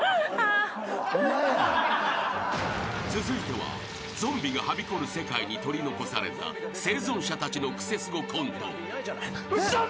［続いてはゾンビがはびこる世界に取り残された生存者たちのクセスゴコント］